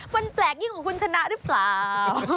มันแปลกยิ่งกว่าคุณชนะหรือเปล่า